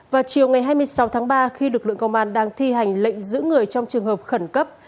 vào chiều ngày hai mươi sáu tháng ba khi lực lượng công an đang thi hành lệnh giữ người trong trường hợp khẩn cấp